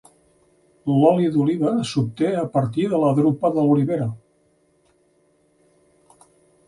L'oli d'oliva s’obté a partir de la drupa de l'olivera.